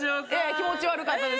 気持ち悪かったです